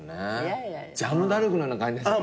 ジャンヌ・ダルクのような感じですよね。